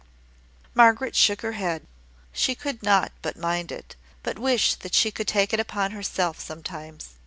Margaret shook her head; she could not but mind it but wish that she could take it upon herself sometimes.